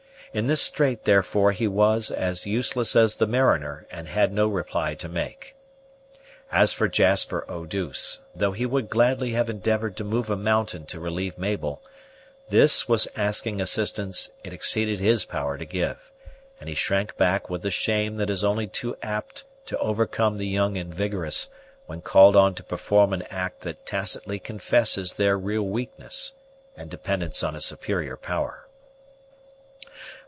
In this strait, therefore, he was as useless as the mariner, and had no reply to make. As for Jasper Eau douce, though he would gladly have endeavored to move a mountain to relieve Mabel, this was asking assistance it exceeded his power to give; and he shrank back with the shame that is only too apt to overcome the young and vigorous, when called on to perform an act that tacitly confesses their real weakness and dependence on a superior power.